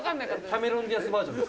キャメロン・ディアスバージョン。